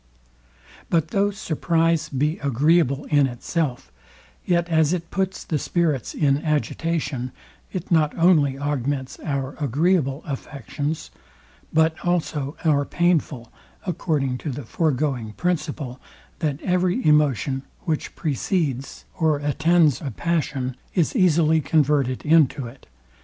But though surprize be agreeable in itself, yet as it puts the spirits in agitation, it not only augments our agreeable affections, but also our painful, according to the foregoing principle, that every emotion, which precedes or attends a passion, is easily converted into it.